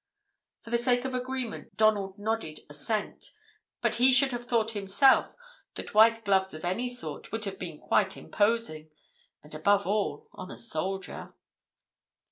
For the sake of agreement Donald nodded assent, but he should have thought himself that white gloves of any sort would have been quite imposing, and above all on a soldier.